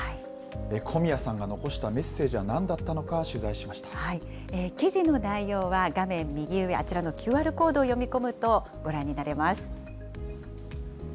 小宮さんが残したメッセージはな記事の内容は画面右上、あちらのＱＲコードを読み込むとご覧になれます。